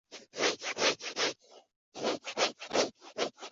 丰县境内的丰沛运河段可通航。